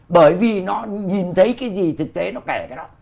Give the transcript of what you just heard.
bởi vì nó nhìn thấy cái gì thực tế nó kể cái đó